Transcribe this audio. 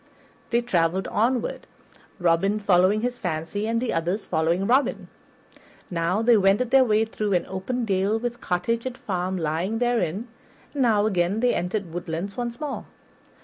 They traveled onward, Robin following his fancy and the others following Robin. Now they wended their way through an open dale with cottage and farm lying therein, and now again they entered woodlands once more.